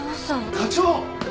課長！